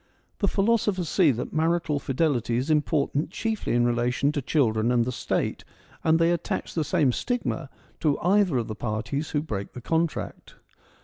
The philosophers see that marital fidelity is im portant chiefly in relation to children and the State, and they attach the same stigma to either of the parties who break the contract.